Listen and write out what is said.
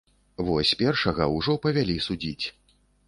Вось першага ўжо павялі судзіць.